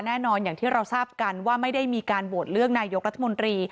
อย่างที่เราทราบกันว่าไม่ได้มีการโหวตเลือกนายกรัฐมนตรี